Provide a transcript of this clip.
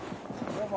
どうも！